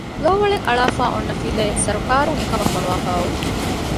ލޯވަޅެއް އަޅާފައިއޮންނަ ފިލައެއް ސަރުކާރުން އެކަމަށް ފޮނުވާފައި އޮވެ